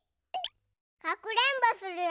かくれんぼするよ。